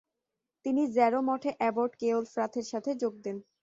তিনি জ্যারো মঠে অ্যাবট কেওলফ্রাথের সাথে যোগ দেন।